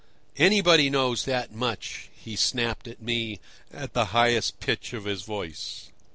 "Anybody knows that much!" he snapped at me, at the highest pitch of his voice.